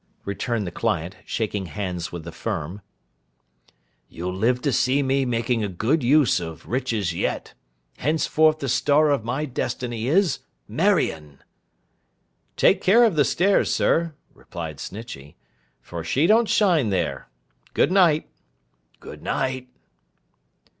returned the client, shaking hands with the Firm. 'You'll live to see me making a good use of riches yet. Henceforth the star of my destiny is, Marion!' 'Take care of the stairs, sir,' replied Snitchey; 'for she don't shine there. Good night!' 'Good night!